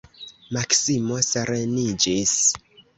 Maksimo sereniĝis.